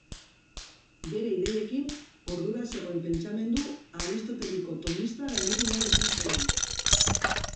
Bere ideiekin, ordura zegoen pentsamendu Aristoteliko-Tomista gainditu nahi izan zuen.